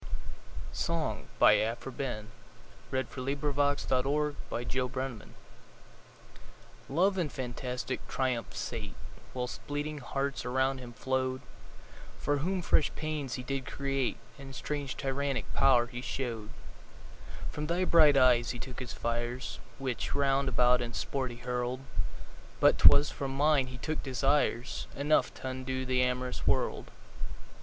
of English Verse: 1250–1900. Aphra Behn. 1640–1689 411. Song LOVE in fantastic triumph sate Whilst bleeding hearts around him flow'd, For whom fresh pains he did create And strange tyrannic power he show'd: From thy bright eyes he took his fires, 5 Which round about in sport he hurl'd; But 'twas from mine he took desires Enough t' undo the amorous world.